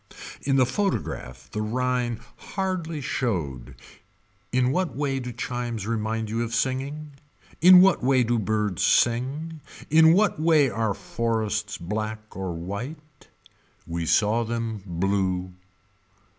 In the photograph the Rhine hardly showed In what way do chimes remind you of singing. In what way do birds sing. In what way are forests black or white. We saw them blue.